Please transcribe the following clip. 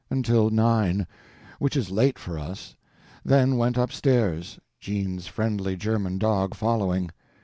—until nine—which is late for us—then went upstairs, Jean's friendly German dog following.